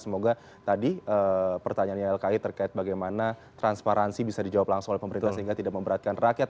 semoga tadi pertanyaan ylki terkait bagaimana transparansi bisa dijawab langsung oleh pemerintah sehingga tidak memberatkan rakyat